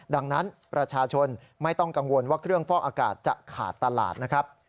ดังนั้นประชาชนไม่ต้องกังวลว่าเครื่องฟอกอากาศจะขาดตลาดนะครับ